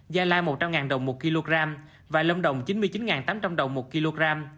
gia lai một trăm linh đồng một kg và lâm đồng chín mươi chín tám trăm linh đồng một kg